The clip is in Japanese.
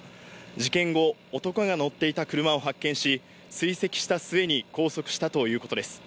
事件後、男が乗っていた車を発見し追跡した末に拘束したということです。